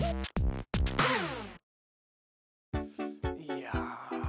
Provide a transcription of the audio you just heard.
いや。